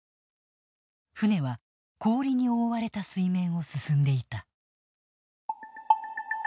船は、氷に覆われた水面を進んでいた。